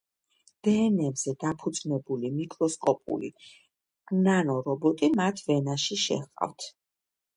დე-ენ-ემზე დაფუძნებული მიკროსკოპული ნანო-რობოტი მათ ვენაში შეჰყავთ.